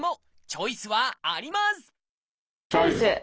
チョイス！